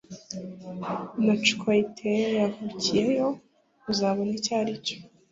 na Cocyte yavukiyeyo uzabona icyo aricyo